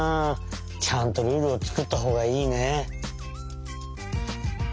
ちゃんとルールをつくったほうがいいね。